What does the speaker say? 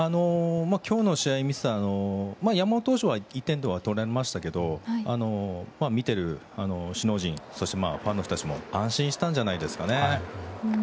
今日の試合を見ていて山本投手、１点はとれましたけど見てる首脳陣、ファンの人たちも安心したんじゃないですかね。